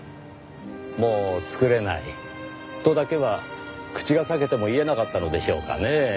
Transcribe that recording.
「もう作れない」とだけは口が裂けても言えなかったのでしょうかねぇ。